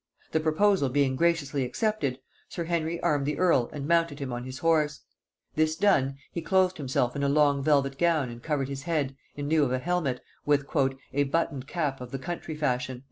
The proposal being graciously accepted, sir Henry armed the earl and mounted him on his horse: this done, he clothed himself in a long velvet gown and covered his head, in lieu of a helmet, with "a buttoned cap of the country fashion."